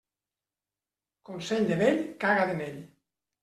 Consell de vell, caga't en ell.